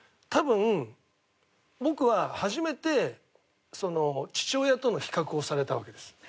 多分僕は初めて父親との比較をされたわけです。